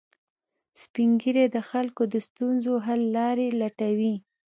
سپین ږیری د خلکو د ستونزو حل لارې لټوي